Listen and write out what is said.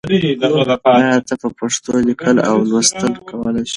آیا ته په پښتو لیکل او لوستل کولای شې؟